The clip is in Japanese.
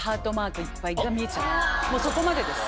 もうそこまでです。